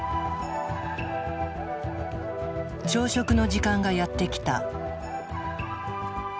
朝食の時間がやって来た。